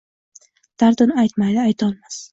Dardin aytmaydi, Aytolmas